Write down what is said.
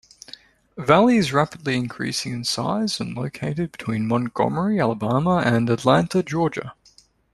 Valley is rapidly increasing in size and located between Montgomery, Alabama and Atlanta, Georgia.